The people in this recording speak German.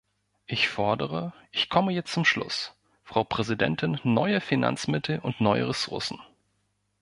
Ich fordere ich komme jetzt zum Schluss, Frau Präsidentin neue Finanzmittel und neue Ressourcen.